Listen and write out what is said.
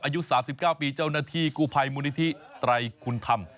อายุ๓๙ปีเจ้าหน้าที่กู้ภัยมูลนิธิไตรคุณธรรม